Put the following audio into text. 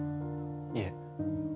いえ。